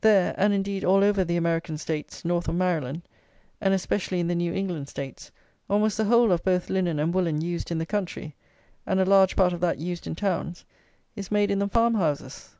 There, and, indeed, all over the American States, North of Maryland, and especially in the New England States, almost the whole of both linen and woollen used in the country, and a large part of that used in towns, is made in the farmhouses.